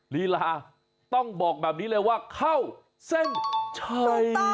ลีลาต้องบอกแบบนี้เลยว่าเข้าเส้นชัย